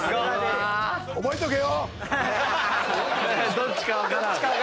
どっちか分からん。